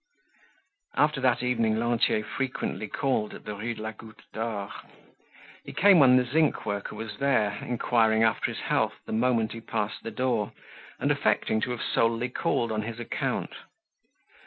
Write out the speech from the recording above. After that evening Lantier frequently called at the Rue de la Goutte d'Or. He came when the zinc worker was there, inquiring after his health the moment he passed the door and affecting to have solely called on his account.